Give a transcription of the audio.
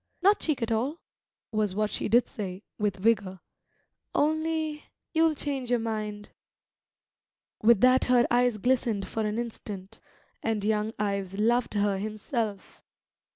"Not cheek at all," was what she did say, with vigour. "Only you'll change your mind." With that her eyes glistened for an instant; and young Ives loved her himself.